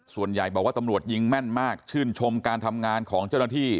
ส่วนใหญ่บอกว่าตำรวจยิงแม่นมากชื่นชมการทำงานของเจ้าหน้าที่